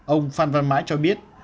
ông phan văn mãi cho biết